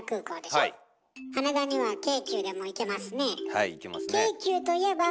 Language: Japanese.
はい行けますね。